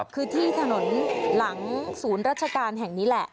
คือที่ถนนหลังศูนย์ราชการแห่งนี้แหละ